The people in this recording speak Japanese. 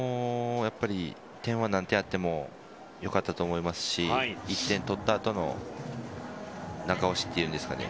点は何点あっても良かったと思いますし点を取ったあとの中押しっていうんですかね。